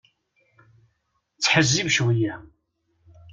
Ttḥezzib cwiya.